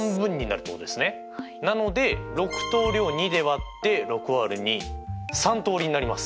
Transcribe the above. なので６通りを２で割って６÷２。３通りになります。